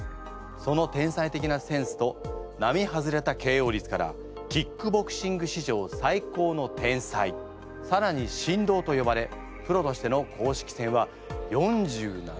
その天才的なセンスと並外れたＫＯ率からキックボクシング史上最高の天才さらに神童とよばれプロとしての公式戦は４７戦全勝。